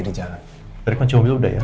di jalan tarikkan coba dulu udah ya